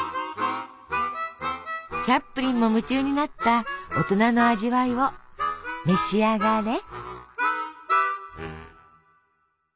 チャップリンも夢中になった大人の味わいを召し上がれ。